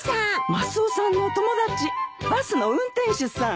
マスオさんのお友達バスの運転手さん。